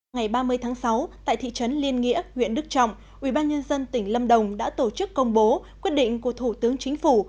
ngày ba mươi tháng sáu tại thị trấn liên nghĩa huyện đức trọng ubnd tỉnh lâm đồng đã tổ chức công bố quyết định của thủ tướng chính phủ